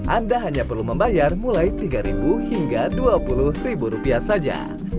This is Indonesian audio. anda hanya perlu membayar mulai tiga hingga dua puluh rupiah saja